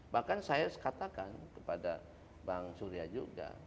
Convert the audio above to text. bahkan saya katakan kepada bang surya juga